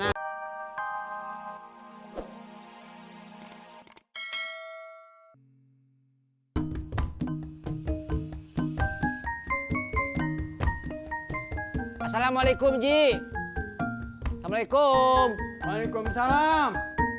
assalamualaikum ji waalaikumsalam